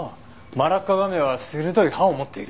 マラッカガメは鋭い歯を持っている。